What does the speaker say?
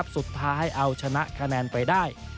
สุดท้ายเอาชนะคะแนนไปได้